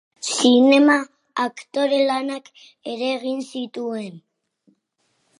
Zinema aktore lanak ere egin zituen.